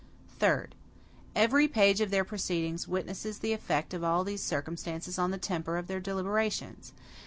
Third. Every page of their proceedings witnesses the effect of all these circumstances on the temper of their deliberations.